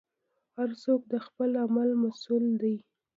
هر څوک د خپل عمل مسوول دی.